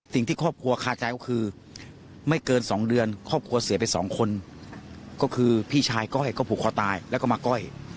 สิ่งที่ครอบครัวคาใจก็คือไม่เกิน๒เดือนครอบครัวเสียไปสองคนก็คือพี่ชายก้อยก็ผูกคอตายแล้วก็มาก้อย